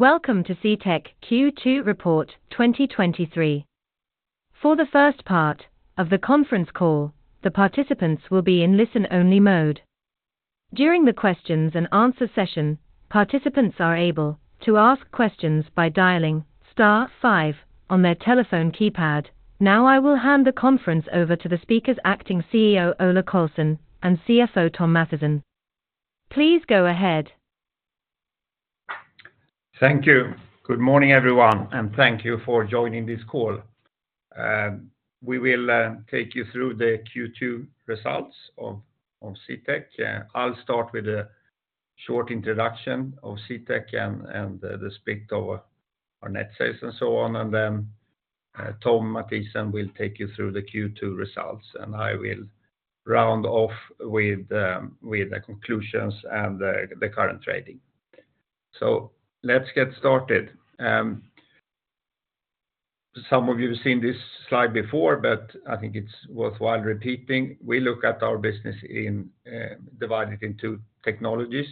Welcome to CTEK Q2 Report 2023. For the first part of the conference call, the participants will be in listen-only mode. During the questions and answer session, participants are able to ask questions by dialing star 5 on their telephone keypad. Now, I will hand the conference over to the speakers, Acting CEO, Ola Carlsson, and CFO, Thom Mathisen. Please go ahead. Thank you. Good morning, everyone, and thank you for joining this call. We will take you through the Q2 results of CTEK. I'll start with a short introduction of CTEK and the split of our net sales and so on. Then, Thom Mathisen will take you through the Q2 results, and I will round off with the conclusions and the current trading. Let's get started. Some of you have seen this slide before, but I think it's worthwhile repeating. We look at our business in divided into two technologies.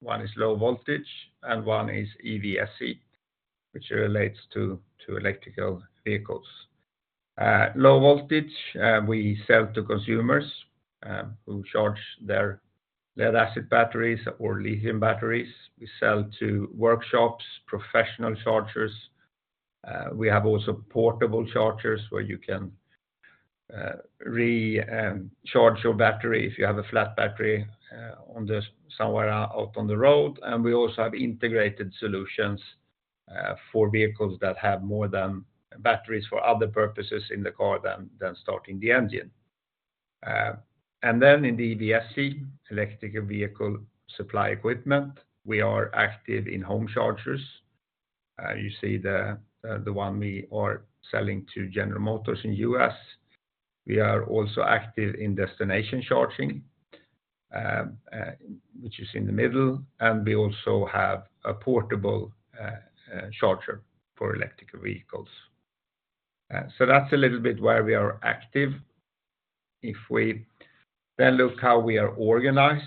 One is low voltage and one is EVSE, which relates to electrical vehicles. Low voltage, we sell to consumers who charge their lead-acid batteries or lithium batteries. We sell to workshops, professional chargers. We have also portable chargers, where you can recharge your battery if you have a flat battery somewhere out on the road. We also have integrated solutions for vehicles that have more than batteries for other purposes in the car than starting the engine. In the EVSE, Electric Vehicle Supply Equipment, we are active in home chargers. You see the one we are selling to General Motors in U.S. We are also active in destination charging, which is in the middle, and we also have a portable charger for electrical vehicles. That's a little bit where we are active. If we then look how we are organized,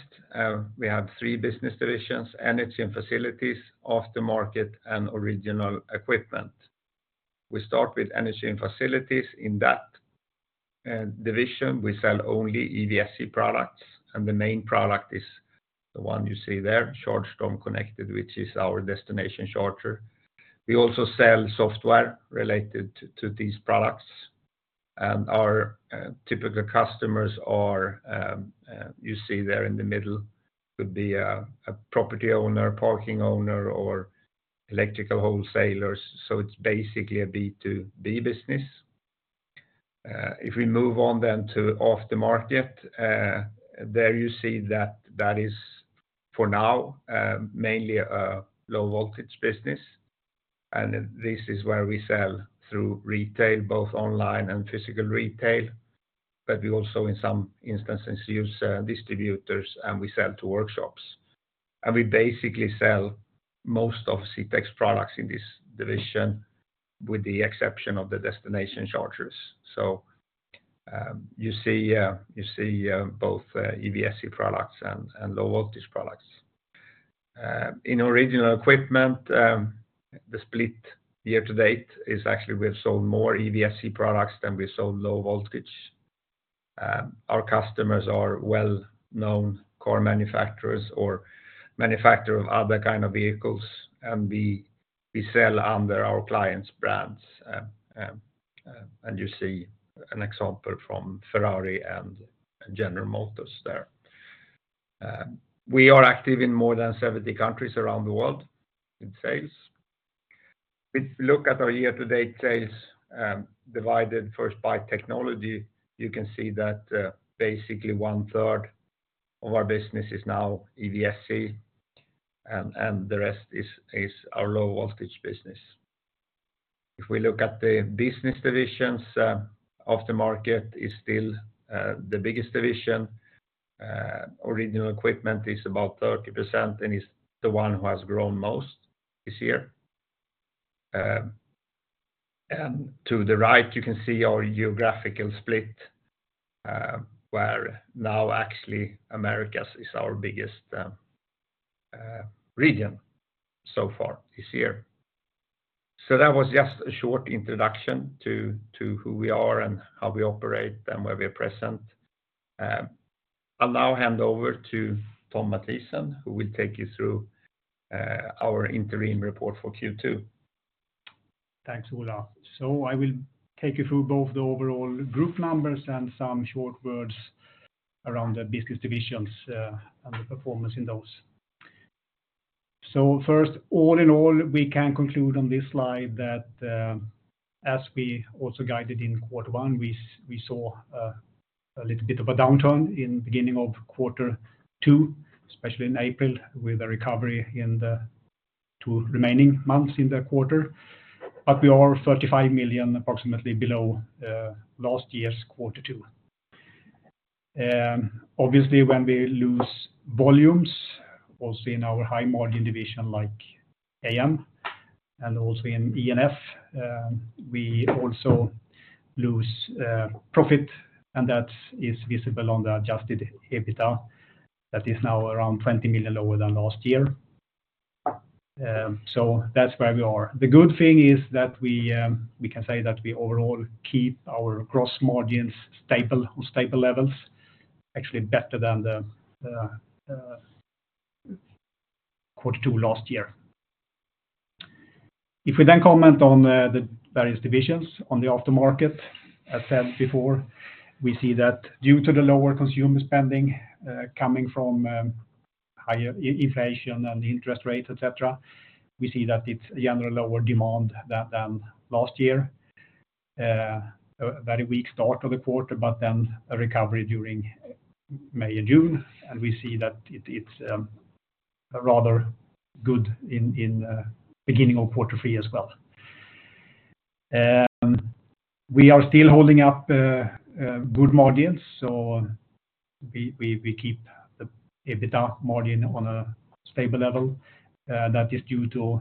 we have three business divisions: energy and facilities, after market, and original equipment. We start with energy and facilities. In that division, we sell only EVSE products, and the main product is the one you see there, CHARGESTORM CONNECTED, which is our destination charger. We also sell software related to these products, and our typical customers are, you see there in the middle, could be a property owner, parking owner, or electrical wholesalers, so it's basically a B2B business. If we move on then to aftermarket, there you see that that is, for now, mainly a low-voltage business, and this is where we sell through retail, both online and physical retail, but we also, in some instances, use distributors, and we sell to workshops. We basically sell most of CTEK's products in this division, with the exception of the destination chargers. You see, you see both EVSE products and low-voltage products. In original equipment, the split year-to-date is actually we've sold more EVSE products than we sold low voltage. Our customers are well-known core manufacturers or manufacturer of other kind of vehicles, and we sell under our clients' brands. You see an example from Ferrari and General Motors there. We are active in more than 70 countries around the world in sales. If we look at our year-to-date sales, divided first by technology, you can see that basically one-third of our business is now EVSE, and the rest is our low-voltage business. If we look at the business divisions, Aftermarket is still the biggest division. Original Equipment is about 30% and is the one who has grown most this year. To the right, you can see our geographical split, where now, actually, Americas is our biggest region so far this year. That was just a short introduction to, to who we are and how we operate and where we are present. I'll now hand over to Thom Mathisen, who will take you through our interim report for Q2. Thanks, Ola. I will take you through both the overall group numbers and some short words around the business divisions and the performance in those. First, all in all, we can conclude on this slide that as we also guided in quarter one, we saw a little bit of a downturn in beginning of quarter two, especially in April, with a recovery in the 2 remaining months in the quarter. We are 35 million, approximately below last year's quarter two. Obviously, when we lose volumes, also in our high margin division like AM and also in E&F, we also lose profit, and that is visible on the Adjusted EBITDA that is now around 20 million lower than last year. That's where we are. The good thing is that we, we can say that we overall keep our gross margins stable, on stable levels, actually better than the, quarter two last year. If we then comment on the, the various divisions on the aftermarket, as said before, we see that due to the lower consumer spending, coming from, higher inflation and interest rates, et cetera, we see that it's a generally lower demand than, than last year. A very weak start to the quarter, but then a recovery during May and June, and we see that it, it's, a rather good in, in, beginning of quarter three as well. We are still holding up, a good margin, so we, we, we keep the EBITDA margin on a stable level. That is due to,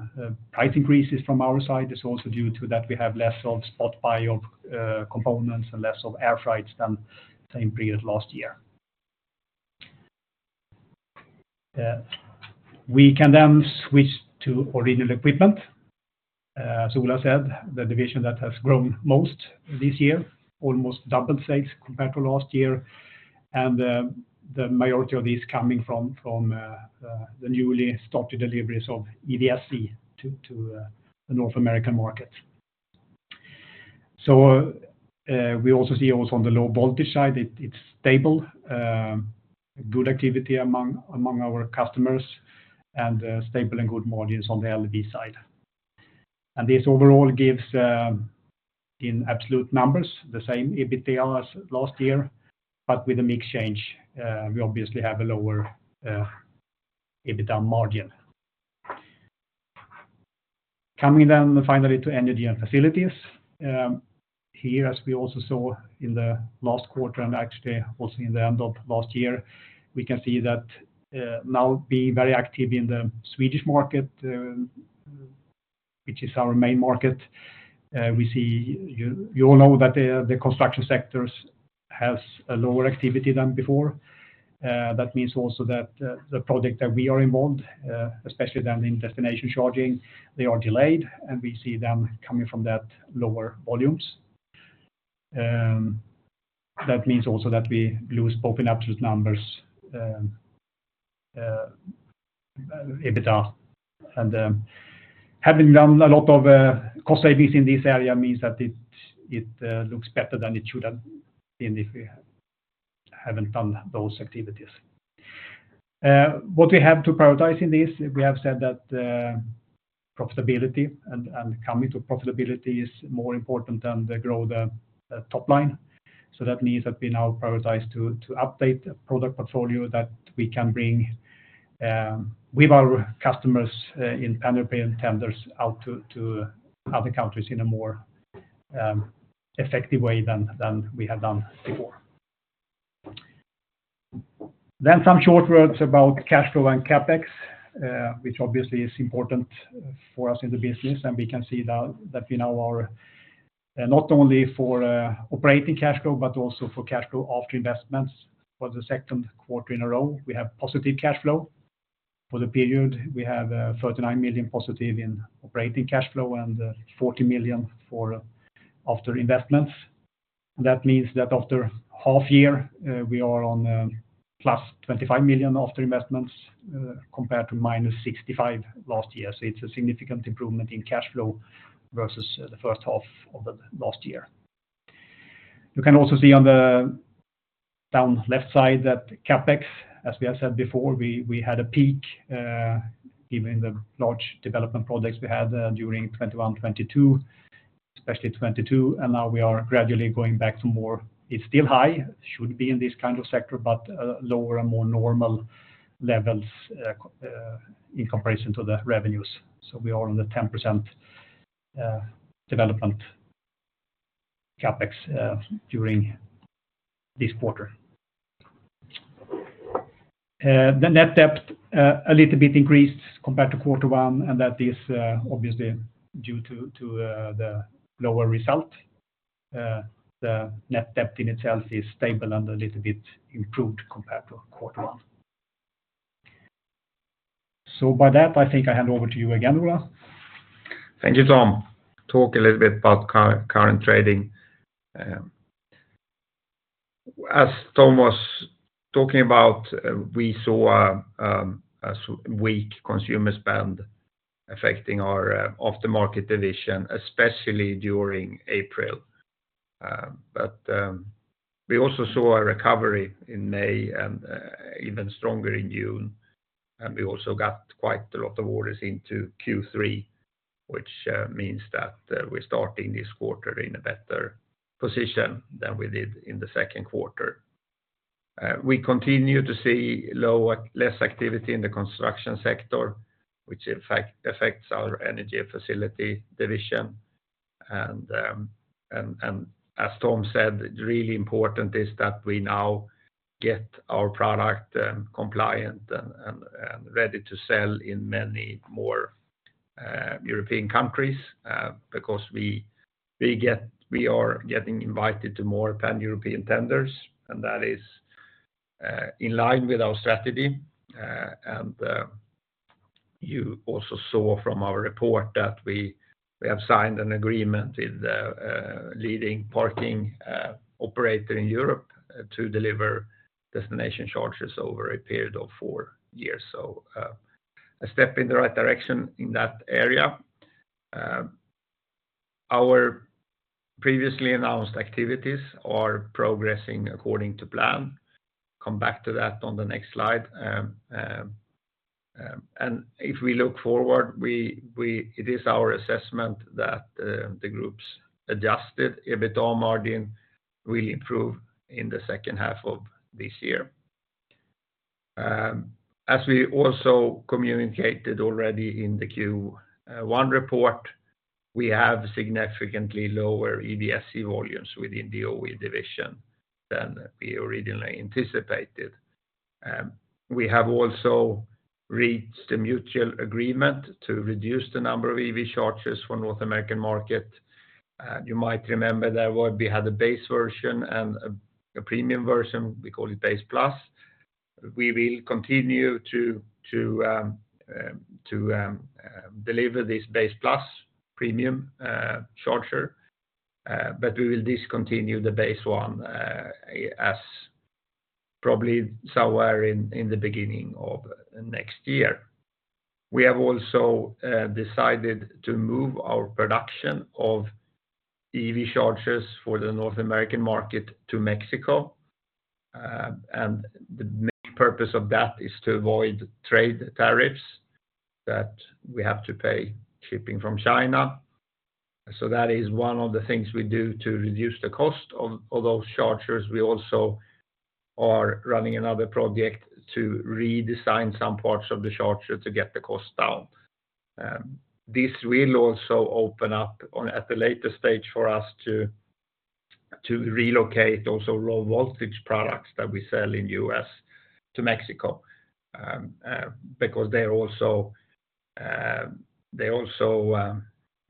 price increases from our side. It's also due to that we have less of spot buy of components and less of air freights than same period last year. We can switch to original equipment. As Ola said, the division that has grown most this year, almost doubled sales compared to last year, the majority of these coming from the newly started deliveries of EVSE to the North American market. We also see also on the low voltage side, it's stable, good activity among our customers, and stable and good margins on the LV side. This overall gives in absolute numbers, the same EBITDA as last year, but with a mix change, we obviously have a lower EBITDA margin. Coming down finally to energy and facilities. Here, as we also saw in the last quarter, and actually also in the end of last year, we can see that, now being very active in the Swedish market, which is our main market, we see you- you all know that the, the construction sectors has a lower activity than before. That means also that the project that we are involved, especially than in destination charging, they are delayed, and we see them coming from that lower volumes. That means also that we lose open absolute numbers, EBITDA, and having done a lot of cost savings in this area means that it, it looks better than it should have been if we haven't done those activities. What we have to prioritize in this, we have said that profitability and coming to profitability is more important than the grow the top line. That means that we now prioritize to update the product portfolio that we can bring with our customers in European tenders out to other countries in a more effective way than we have done before. Some short words about cash flow and CapEx, which obviously is important for us in the business, and we can see that we now are not only for operating cash flow, but also for cash flow after investments for the second quarter in a row. We have positive cash flow. For the period, we have 39 million positive in operating cash flow and 40 million for after investments. That means that after half year, we are on plus 25 million after investments, compared to minus 65 last year. It's a significant improvement in cash flow versus the first half of the last year. You can also see on the down left side, that CapEx, as we have said before, we, we had a peak, given the large development projects we had, during 2021, 2022, especially 2022, and now we are gradually going back to more. It's still high, should be in this kind of sector, but lower and more normal levels in comparison to the revenues. We are on the 10% development CapEx during this quarter. The net debt, a little bit increased compared to quarter one, and that is obviously due to, to the lower result. The net debt in itself is stable and a little bit improved compared to quarter one. By that, I think I hand over to you again, Ola. Thank you, Tom. Talk a little bit about current trading. As Tom was talking about, we saw a weak consumer spend affecting our aftermarket division, especially during April. We also saw a recovery in May and even stronger in June, and we also got quite a lot of orders into Q3, which means that we're starting this quarter in a better position than we did in the second quarter. We continue to see less activity in the construction sector, which in fact, affects our Energy and Facility division. As Tom said, really important is that we now get our product compliant and ready to sell in many more. European countries, because we, we get, we are getting invited to more pan-European tenders, and that is in line with our strategy. You also saw from our report that we, we have signed an agreement with a, a leading parking operator in Europe to deliver destination chargers over a period of four years. A step in the right direction in that area. Our previously announced activities are progressing according to plan. Come back to that on the next slide. If we look forward, it is our assessment that the group's Adjusted EBITDA margin will improve in the second half of this year. As we also communicated already in the Q1 report, we have significantly lower EVSE volumes within the OE division than we originally anticipated. We have also reached a mutual agreement to reduce the number of EV chargers for North American market. You might remember that where we had a base version and a premium version, we call it Base Plus. We will continue to deliver this Base Plus premium charger, but we will discontinue the base one as probably somewhere in the beginning of next year. We have also decided to move our production of EV chargers for the North American market to Mexico. The main purpose of that is to avoid trade tariffs that we have to pay shipping from China. That is one of the things we do to reduce the cost of those chargers. We also are running another project to redesign some parts of the charger to get the cost down. This will also open up on, at a later stage for us to relocate also low voltage products that we sell in U.S. to Mexico because they're also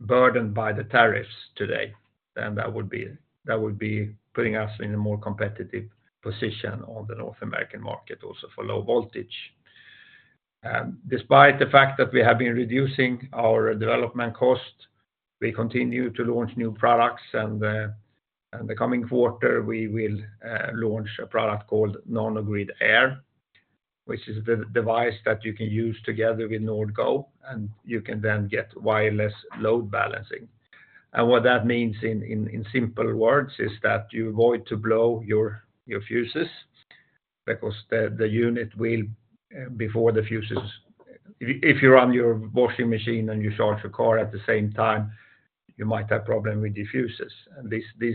burdened by the tariffs today, and that would be, that would be putting us in a more competitive position on the North American market, also for low voltage. Despite the fact that we have been reducing our development cost, we continue to launch new products, and the coming quarter, we will launch a product called NANOGRID AIR, which is the device that you can use together with NJORD GO, and you can then get wireless load balancing. What that means in simple words, is that you avoid to blow your fuses because the unit will, before the fuses. If you run your washing machine and you charge your car at the same time, you might have problem with the fuses, and this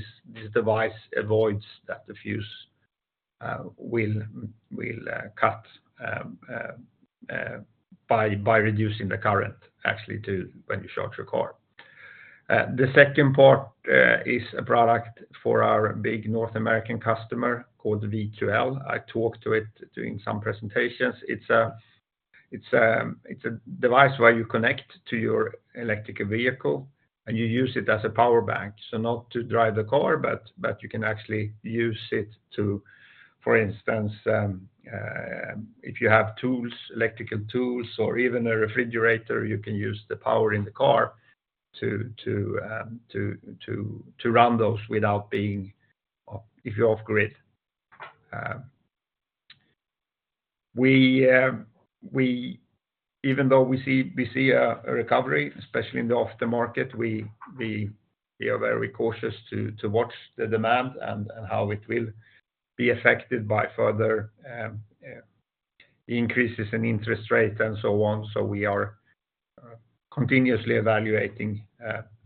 device avoids that the fuse will cut by reducing the current actually to when you charge your car. The second part is a product for our big North American customer called VQL. I talked to it during some presentations. It's a, it's a device where you connect to your electric vehicle, and you use it as a power bank, so not to drive the car, but, but you can actually use it to, for instance, if you have tools, electrical tools or even a refrigerator, you can use the power in the car to, to, to, to run those without being, if you're off grid. We, even though we see, we see a, a recovery, especially in the aftermarket, we, we, we are very cautious to, to watch the demand and, and how it will be affected by further increases in interest rates and so on. We are continuously evaluating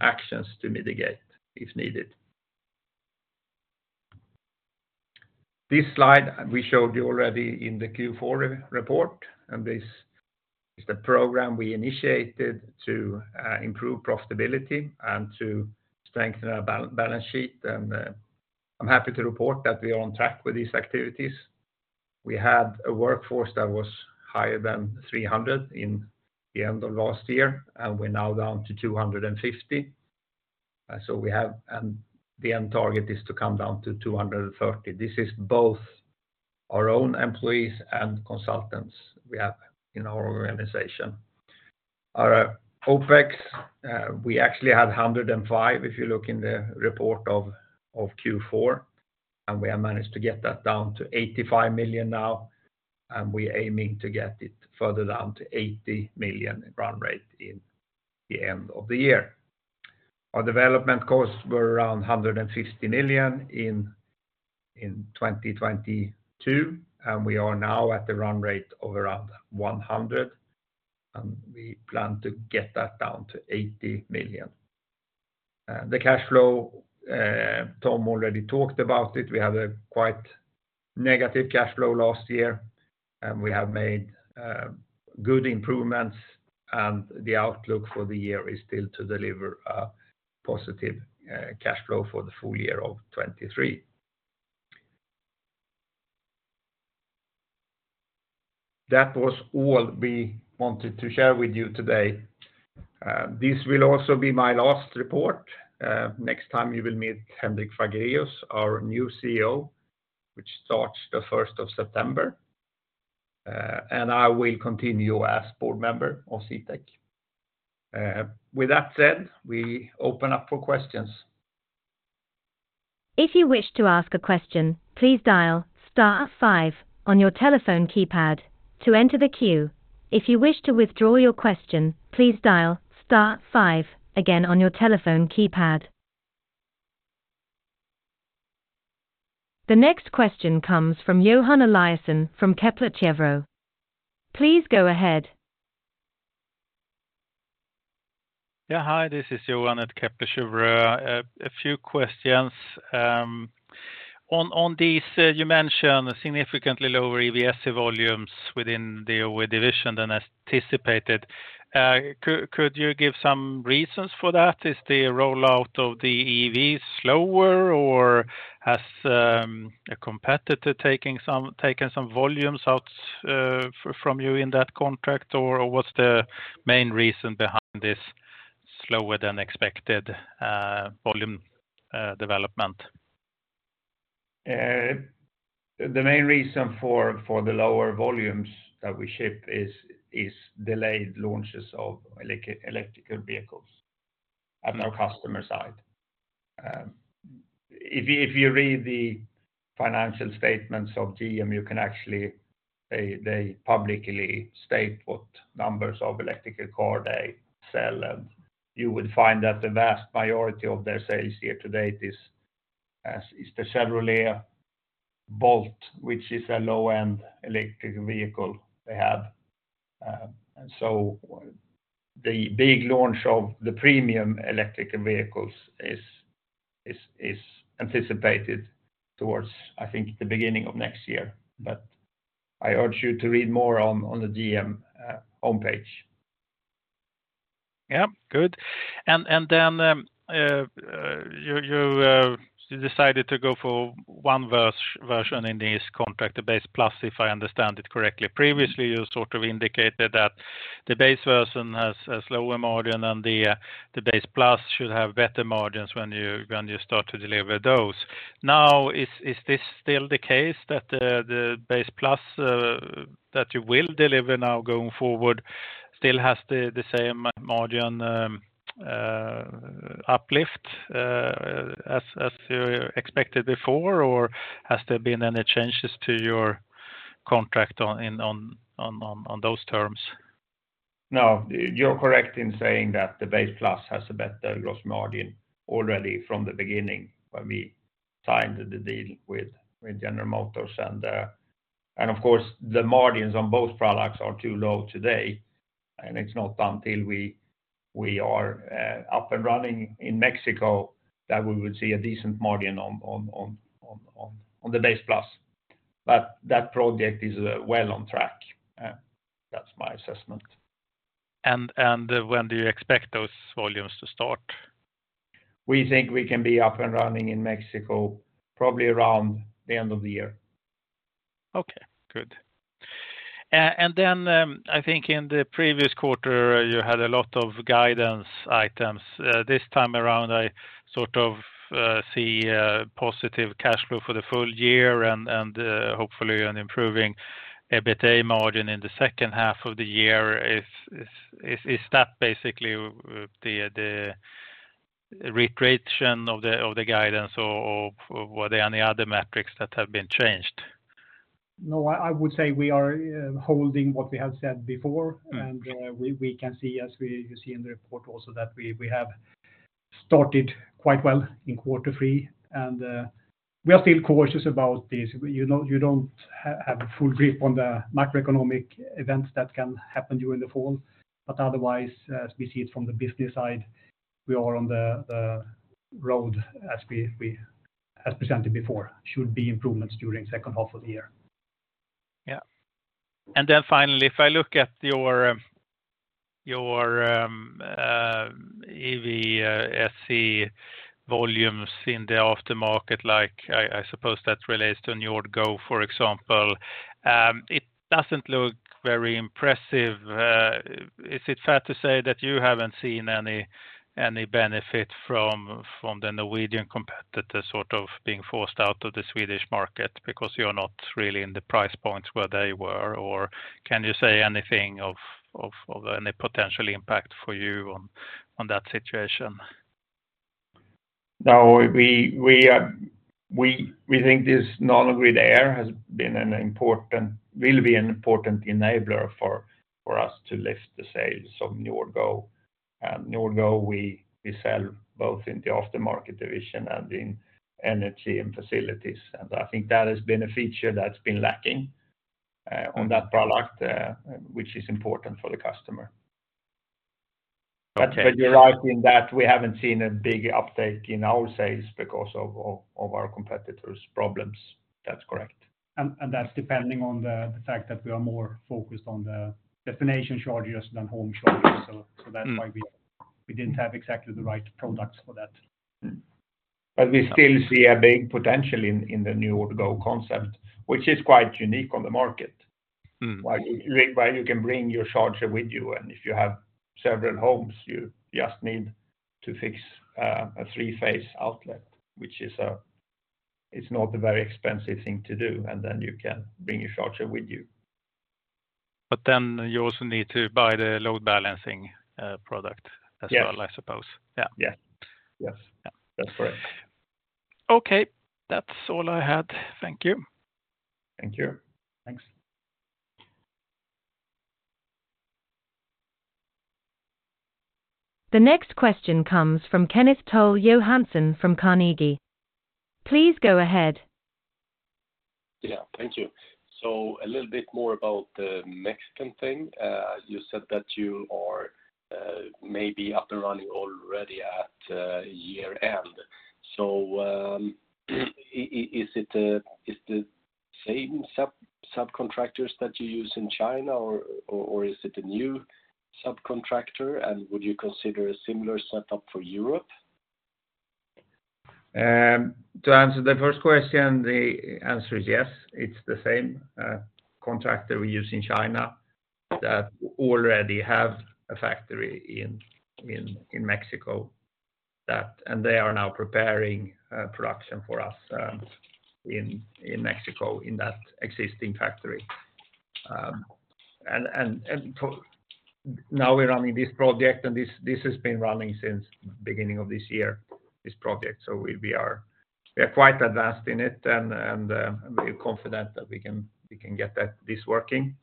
actions to mitigate if needed. This slide, we showed you already in the Q4 report. This is the program we initiated to improve profitability and to strengthen our balance sheet. I'm happy to report that we are on track with these activities. We had a workforce that was higher than 300 in the end of last year. We're now down to 250. The end target is to come down to 230. This is both our own employees and consultants we have in our organization. Our OpEx, we actually had 105 million, if you look in the report of Q4. We have managed to get that down to 85 million now. We are aiming to get it further down to 80 million run rate in the end of the year. Our development costs were around 150 million in 2022. We are now at the run rate of around 100 million, and we plan to get that down to 80 million. The cash flow, Thom already talked about it. We had a quite negative cash flow last year. We have made good improvements. The outlook for the year is still to deliver a positive cash flow for the full year of 2023. That was all we wanted to share with you today. This will also be my last report. Next time you will meet Henrik Fagrenius, our new CEO, which starts the 1st of September. I will continue as board member of CTEK. With that said, we open up for questions. If you wish to ask a question, please dial star five on your telephone keypad to enter the queue. If you wish to withdraw your question, please dial star five again on your telephone keypad. The next question comes from Johan Eliason from Kepler Cheuvreux. Please go ahead. Yeah. Hi, this is Johan at Kepler Cheuvreux. A few questions. On, on this, you mentioned significantly lower EVSE volumes within the OE division than anticipated. Could, could you give some reasons for that? Is the rollout of the EV slower, or has a competitor taking some-- taken some volumes out from you in that contract? Or what's the main reason behind this slower than expected volume development? The main reason for, for the lower volumes that we ship is delayed launches of electrical vehicles on our customer side. If you, if you read the financial statements of GM, you can actually, they publicly state what numbers of electrical car they sell, and you would find that the vast majority of their sales year to date is the Chevrolet Bolt, which is a low-end electric vehicle they have. So the big launch of the premium electric vehicles is anticipated towards, I think, the beginning of next year. I urge you to read more on, on the GM, homepage. Yeah, good. Then, you decided to go for one version in this contract, the Base Plus, if I understand it correctly. Previously, you sort of indicated that the base version has a slower margin than the Base Plus should have better margins when you, when you start to deliver those. Now, is this still the case that the Base Plus, that you will deliver now going forward, still has the same margin, uplift, as you expected before? Or has there been any changes to your contract on those terms? No, you're correct in saying that the Base Plus has a better gross margin already from the beginning, when we signed the deal with, with General Motors. Of course, the margins on both products are too low today, and it's not until we, we are up and running in Mexico that we would see a decent margin on, on, on, on, on, on the Base Plus. That project is well on track, that's my assessment. And when do you expect those volumes to start? We think we can be up and running in Mexico probably around the end of the year. Okay, good. Then, I think in the previous quarter, you had a lot of guidance items. This time around, I sort of, see, positive cash flow for the full year and, and, hopefully an improving EBITA margin in the second half of the year. Is, is, is, is that basically the, the recreation of the, of the guidance, or, or were there any other metrics that have been changed? No, I, I would say we are holding what we have said before. Mm-hmm. We, we can see, as you see in the report also, that we, we have started quite well in quarter three. We are still cautious about this. You know, you don't have a full grip on the macroeconomic events that can happen during the fall. Otherwise, as we see it from the business side, we are on the, the road as we, we as presented before, should be improvements during second half of the year. Then finally, if I look at your, your EVSE volumes in the aftermarket, like, I, I suppose that relates to NJORD GO, for example. It doesn't look very impressive. Is it fair to say that you haven't seen any, any benefit from, from the Norwegian competitor sort of being forced out of the Swedish market? Because you're not really in the price points where they were. Can you say anything of, of, of any potential impact for you on, on that situation? No, we, we, we, we think this NANOGRID AIR has been an important enabler for, for us to lift the sales of NJORD GO. NJORD GO, we, we sell both in the aftermarket division and in energy and facilities. I think that has been a feature that's been lacking on that product, which is important for the customer. Okay. You're right in that we haven't seen a big uptake in our sales because of our competitors' problems. That's correct. That's depending on the fact that we are more focused on the destination chargers than home chargers. That's- Mm why we, we didn't have exactly the right products for that. Mm. We still see a big potential in, in the NJORD GO concept, which is quite unique on the market. Mm-hmm. Like, where you can bring your charger with you, and if you have several homes, you just need to fix, a three-phase outlet, which is it's not a very expensive thing to do, and then you can bring your charger with you. You also need to buy the load balancing, product as well. Yes I suppose. Yeah. Yeah. Yes. Yeah. That's correct. Okay, that's all I had. Thank you. Thank you. Thanks. The next question comes from Kenneth Toll Johansson from Carnegie. Please go ahead. Yeah, thank you. A little bit more about the Mexican thing? You said that you are maybe up and running already at year-end? Is it the same sub-subcontractors that you use in China or is it a new subcontractor? Would you consider a similar setup for Europe? To answer the first question, the answer is yes, it's the same contractor we use in China that already have a factory in Mexico, that. They are now preparing production for us in Mexico, in that existing factory. Now we're running this project, and this has been running since the beginning of this year, this project. So we are quite advanced in it, and we're confident that we can get this working.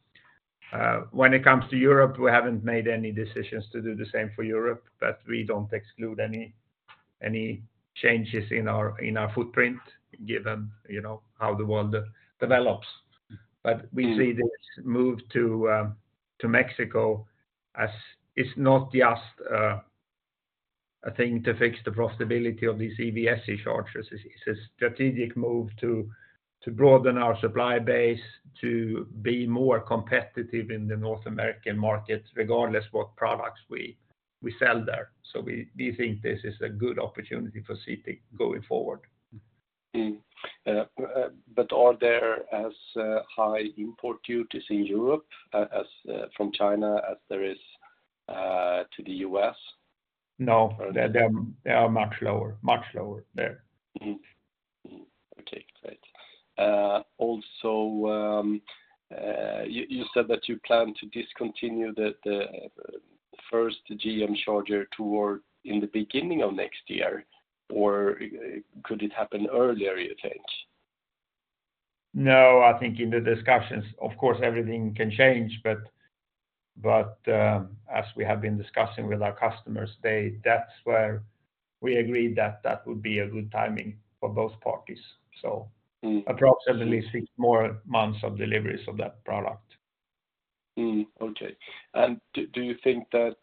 When it comes to Europe, we haven't made any decisions to do the same for Europe, but we don't exclude any changes in our footprint, given, you know, how the world develops. Mm. We see this move to, to Mexico as it's not just, a thing to fix the profitability of these EVSE chargers. It's a strategic move to, to broaden our supply base, to be more competitive in the North American market, regardless what products we, we sell there. We, we think this is a good opportunity for CTEK going forward. Are there as high import duties in Europe as from China as there is to the US? No, they're, they are much lower, much lower there. Mm. Mm. Okay, great. also, you, you said that you plan to discontinue the, the first GM charger toward in the beginning of next year, or could it happen earlier, you think? No, I think in the discussions, of course, everything can change, but, but, as we have been discussing with our customers, they, that's where we agreed that that would be a good timing for both parties. Mm. Approximately 6 more months of deliveries of that product. Mm. Okay. Do, do you think that,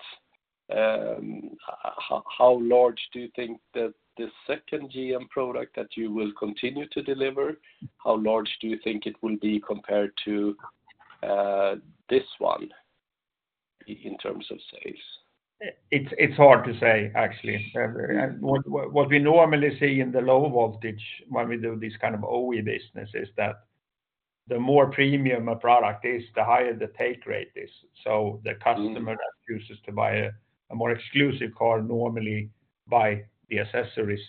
how, how large do you think that the second GM product that you will continue to deliver, how large do you think it will be compared to, this one in terms of sales? It's, it's hard to say, actually. Okay. What, what we normally see in the low voltage when we do this kind of OE business is that the more premium a product is, the higher the take rate is. Mm. The customer that chooses to buy a, a more exclusive car normally buy the accessories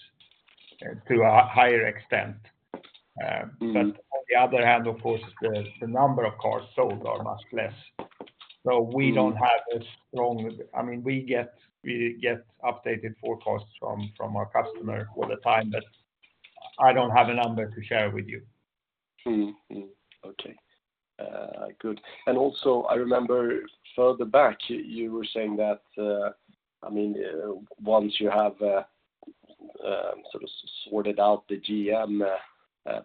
to a higher extent. Mm. On the other hand, of course, the number of cars sold are much less. Mm. We don't have a strong... I mean, we get, we get updated forecasts from, from our customer all the time, but I don't have a number to share with you. Mm. Mm. Okay. good. I remember further back, you, you were saying that, I mean, once you have, sort of sorted out the GM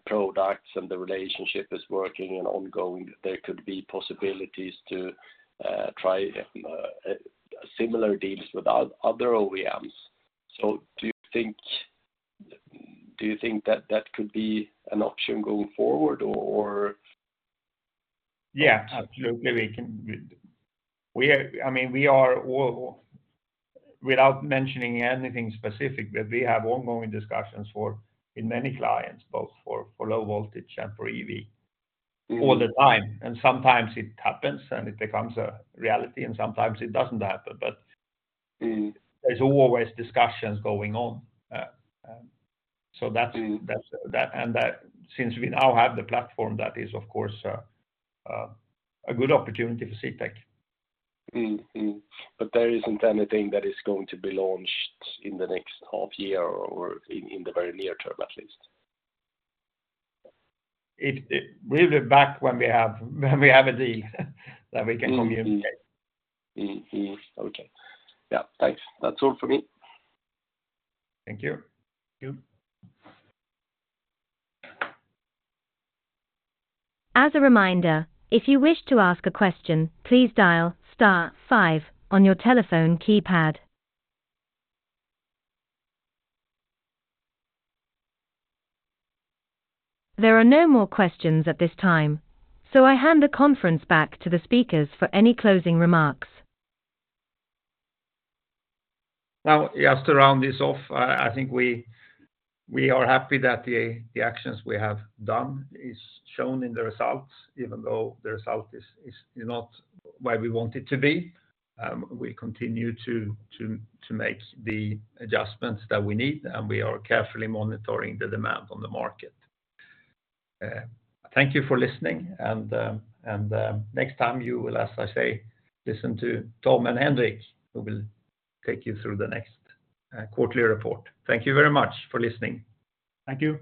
products and the relationship is working and ongoing, there could be possibilities to, try, similar deals with other OEMs. Do you think, do you think that that could be an option going forward, or? Yeah, absolutely. We can, I mean, we are all, without mentioning anything specific, but we have ongoing discussions for, in many clients, both for low voltage and for EV-. Mm All the time. Sometimes it happens. It becomes a reality. Sometimes it doesn't happen. Mm... there's always discussions going on. so that's- Mm... that, and that, since we now have the platform, that is, of course, a good opportunity for CTEK. Mm. Mm. There isn't anything that is going to be launched in the next half year or in, in the very near term, at least? We'll be back when we have, when we have a deal that we can communicate. Mm. Mm. Okay. Yeah, thanks. That's all for me. Thank you. Thank you. As a reminder, if you wish to ask a question, please dial star five on your telephone keypad. There are no more questions at this time, so I hand the conference back to the speakers for any closing remarks. Now, just to round this off, I, I think we, we are happy that the, the actions we have done is shown in the results, even though the result is, is not where we want it to be. We continue to, to, to make the adjustments that we need, and we are carefully monitoring the demand on the market. Thank you for listening, and, and, next time you will, as I say, listen to Tom and Henrik, who will take you through the next, quarterly report. Thank you very much for listening. Thank you.